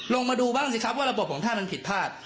ลงมาดูบ้างสิครับว่าระบบของท่านมันผิดพลาด